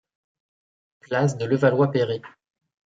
Place de Levallois-Perret.